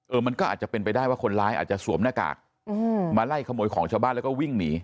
มันก็อาจจะเป็นไปได้ว่าคนร้ายอาจจะสวมหน้ากากมาไล่ขโมยของชาวบ้านแล้วก็วิ่งหนี